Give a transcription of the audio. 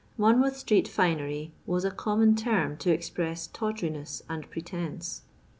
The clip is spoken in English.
" Mon mouth street finery" was a common term to ex press tawdriness and pretence.